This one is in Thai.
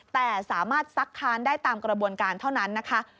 แต่สามารถซักค้านได้ตามกระบวนการเท่านั้นนะคะ